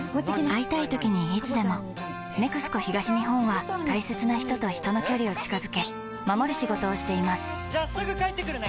会いたいときにいつでも「ＮＥＸＣＯ東日本」は大切な人と人の距離を近づけ守る仕事をしていますじゃあすぐ帰ってくるね！